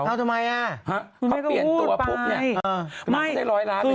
เข้าทำไมน่ะมึงไม่เขาหูดไปเขาเปลี่ยนตัวปุกนี่